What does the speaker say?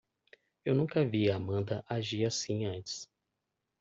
Eu nunca vi Amanda agir assim antes.